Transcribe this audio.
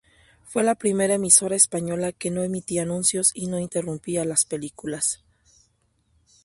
Fue la primera emisora española que no emitía anuncios y no interrumpía las películas.